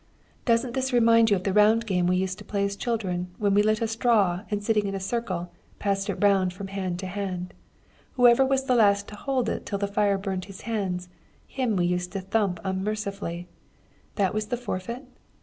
"Doesn't this remind you of the round game we used to play as children, when we lit a straw, and, sitting in a circle, passed it round from hand to hand; whoever was the last to hold it till the fire burned his hands, him we used to thump unmercifully that was the forfeit?